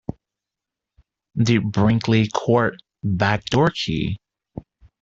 The Brinkley Court back-door key.